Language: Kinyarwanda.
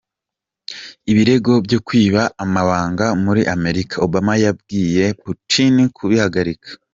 Ibirego byo kwiba amabanga muri Amerika: Obama yabwiye Putin kubihagarika.